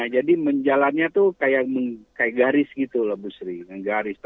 jadi menjalannya tuh kayak garis gitu lah bu sri